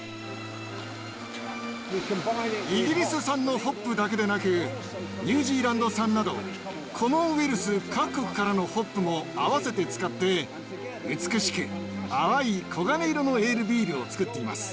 イギリス産のホップだけでなくニュージーランド産などコモンウェルス各国からのホップも合わせて使って美しく淡い黄金色のエールビールを造っています。